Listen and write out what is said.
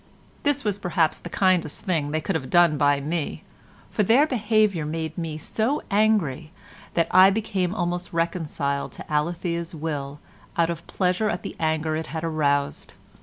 This was perhaps the kindest thing they could have done by me, for their behaviour made me so angry that I became almost reconciled to Alethea's will out of pleasure at the anger it had aroused.